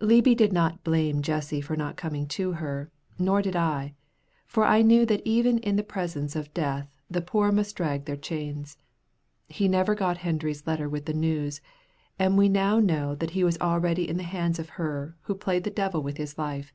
Leeby did not blame Jamie for not coming to her, nor did I, for I knew that even in the presence of death the poor must drag their chains. He never got Hendry's letter with the news, and we know now that he was already in the hands of her who played the devil with his life.